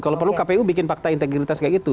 kalau perlu kpu bikin fakta integritas kayak gitu